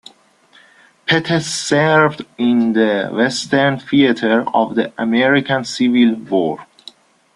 Pettus served in the Western Theater of the American Civil War.